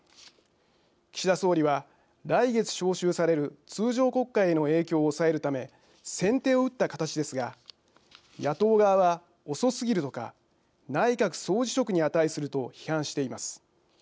岸田総理は、来月召集される通常国会への影響を抑えるため先手を打った形ですが野党側は遅すぎるとか内閣総辞職に値すると批判しています。